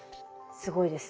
すごいですね。